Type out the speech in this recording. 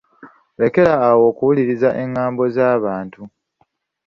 Lekera awo okuwuliriza engambo z'abantu.